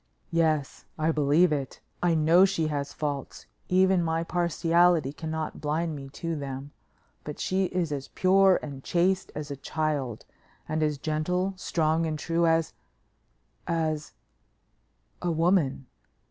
"Yes, I believe it. I know she has faults; even my partiality cannot blind me to them, but she is as pure and chaste as a child, and as gentle, strong and true as as a woman.